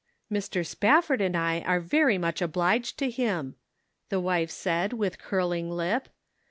" Mr. Spafford and I are very much obliged to him," the wife said, with curling lip.